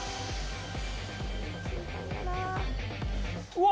うわ。